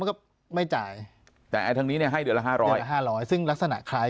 มันก็ไม่จ่ายแต่ทั้งนี้ให้เดือนละ๕๐๐๕๐๐ซึ่งลักษณะคล้าย